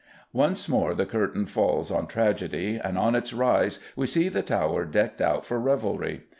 Once more the curtain falls on tragedy, and on its rise we see the Tower decked out for revelry.